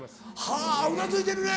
はぁあっうなずいてるね。